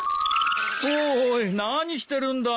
おーい何してるんだい？